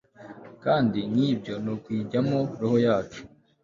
Kandi nkibyo nukuyijyamo roho yacu